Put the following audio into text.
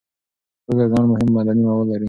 هوږه ګڼ مهم معدني مواد لري.